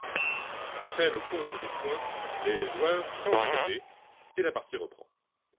Après le compte des points, les joueurs changent de côté et la partie reprend.